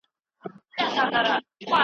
مهربانی وکړئ خپل نظر څرګند کړئ.